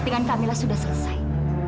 dengan kamilah sudah selesai